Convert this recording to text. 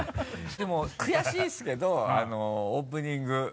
でも悔しいですけどオープニング。